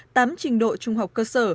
tám trình độ trung học cơ sở